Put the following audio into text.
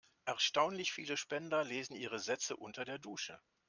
Erstaunlich viele Spender lesen ihre Sätze unter der Dusche.